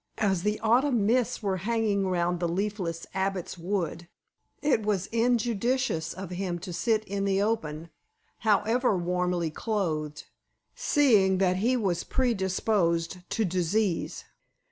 As the autumn mists were hanging round the leafless Abbot's Wood, it was injudicious of him to sit in the open, however warmly clothed, seeing that he was predisposed to disease.